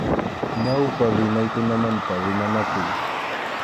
Ñawpa rimaykunamanta rimanakuy.